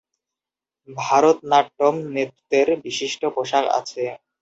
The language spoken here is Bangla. ভরতনাট্যম নৃত্যের বিশিষ্ট পোশাক আছে।